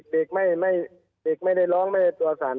เด็กไม่ได้ร้องไม่ได้ตัวสั่น